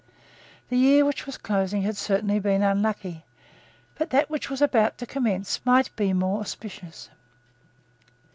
The year which was closing had certainly been unlucky; but that which was about to commence might be more auspicious.